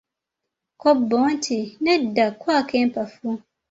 Kko bo nti, nedda kwako empafu.